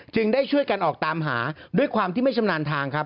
ได้ช่วยกันออกตามหาด้วยความที่ไม่ชำนาญทางครับ